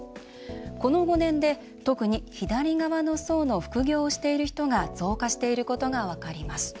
この５年で、特に左側の層の副業をしている人が増加していることが分かります。